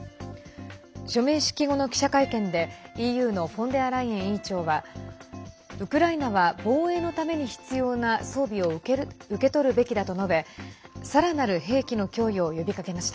署名式後の記者会見でＥＵのフォンデアライエン委員長はウクライナは防衛のために必要な装備を受け取るべきだと述べさらなる兵器の供与を呼びかけました。